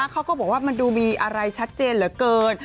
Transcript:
เขาก็บอกว่ามันดูมีอะไรชัดเจนเหลือเกิน